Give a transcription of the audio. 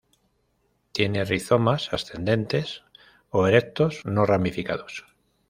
Tiene rizomas ascendentes o erectos, no ramificados.